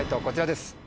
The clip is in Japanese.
こちらです。